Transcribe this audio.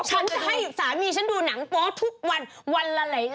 ทำให้สามีฉันดูหนังโป๊อทุกวันวันละหลาย